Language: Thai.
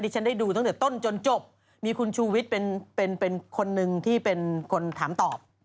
ฉันได้ดูตั้งแต่ต้นจนจบมีคุณชูวิทย์เป็นคนหนึ่งที่เป็นคนถามตอบ